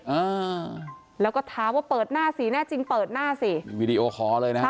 อ่าแล้วก็ท้าว่าเปิดหน้าสีแน่จริงเปิดหน้าสิวีดีโอคอร์เลยนะฮะ